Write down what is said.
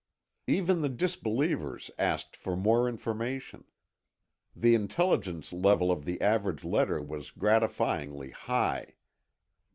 Even the disbelievers asked for more information. The intelligence level of the average letter was gratifyingly high.